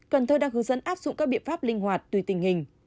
cần thơ đang hướng dẫn áp dụng các biện pháp linh hoạt tùy tình hình